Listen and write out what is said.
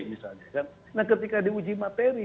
misalnya nah ketika di uji materi